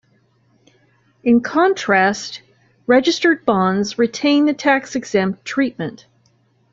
In contrast, registered bonds retained the tax-exempt treatment.